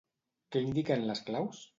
Què indiquen les claus?